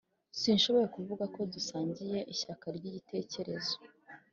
sinshobora kuvuga ko dusangiye ishyaka ryigitekerezo.